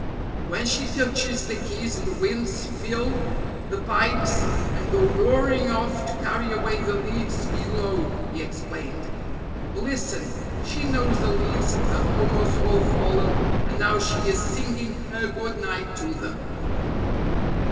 "When she touches the keys the winds fill the pipes and go roaring off to carry away the leaves below," he explained. "But listen she knows the leaves have almost all fallen and now she is singing her good night to them."